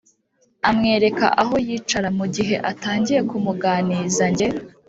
amwereka aho yicara. Mu gihe atangiye kumuganiza nge